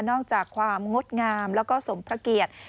อกจากความงดงามแล้วก็สมพระเกียรติ